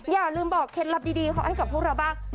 อย่าลืมบอกเคล็ดลับดีเขาให้กับพวกเราบ้าง